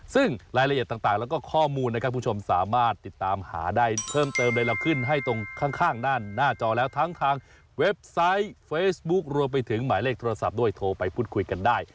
ซึ่งรายละเอียดต่างแล้วก็ข้อมูลนะครับคุณผู้ชมสามารถติดตามหาได้เพิ่มเติมเลยเราขึ้นให้ตรงข้างด้านหน้าจอแล้วทั้งทางเว็บไซต์เฟซบุ๊ครวมไปถึงหมายเลขโทรศัพท์ด้วยโทรไปพูดคุยกันได้